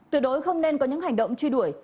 tuyệt đối không nên có những hành động truy đuổi